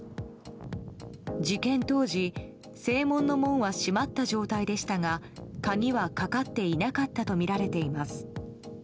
事件当時、正門の門は閉まった状態でしたが鍵はかかっていなかったとみられています。